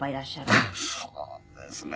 そうですね。